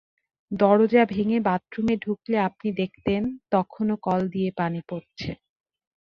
দরজা ভেঙে বাথরুমে ঢুকলে আপনি দেখতেন তখনো কল দিয়ে পানি পড়ছে।